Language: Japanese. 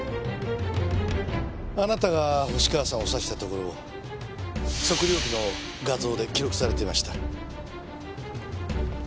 あなたが星川さんを刺したところ測量器の画像で記録されていました。